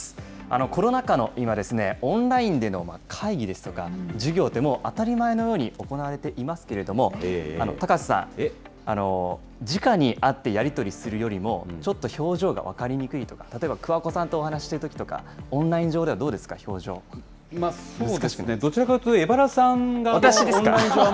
コロナ禍の今、オンラインでの会議ですとか、授業ってもう当たり前のように行われていますけれども、高瀬さん、じかに会ってやり取りするよりも、ちょっと表情が分かりにくいとか、例えば桑子さんとお話ししているときとか、オンライン上ではどうですか？